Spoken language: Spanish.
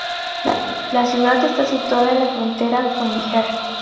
La ciudad está situada en la frontera con Níger.